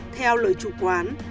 theo lời chủ quán